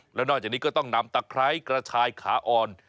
แล้วนอกจากนี้ก็ต้องนำตะไคร้กระชายขาอ่อน